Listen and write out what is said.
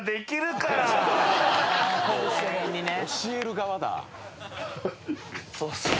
「教える側だ」